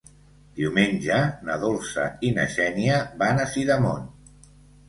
Diumenge na Dolça i na Xènia van a Sidamon.